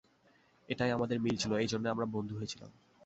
এটাই আমাদের মিল ছিল, এজন্যই আমরা বন্ধু হয়েছিলাম।